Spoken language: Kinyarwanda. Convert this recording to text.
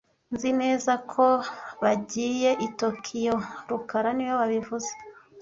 Nzi neza ko ybagiyei Tokiyo rukara niwe wabivuze